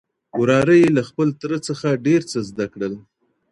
وراره يې له خپل تره څخه ډېر څه زده کړل.